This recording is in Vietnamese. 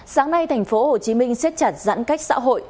sáng nay tp hcm xếp chặt giãn cách xã hội